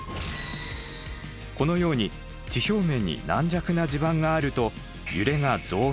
このように地表面に軟弱な地盤があると揺れが増幅されます。